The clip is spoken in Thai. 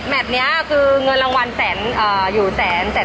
แมตนี้คือเงินรางวัลอยู่๑๐๐๐๐๐หรือ๑๕๐๐๐๐